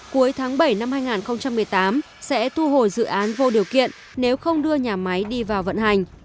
cuối tháng bảy năm hai nghìn một mươi tám sẽ thu hồi dự án vô điều kiện nếu không đưa nhà máy đi vào vận hành